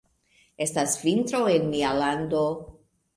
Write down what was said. Estas vintro en mia lando.